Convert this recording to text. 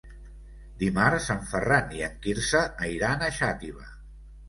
Dimarts en Ferran i en Quirze iran a Xàtiva.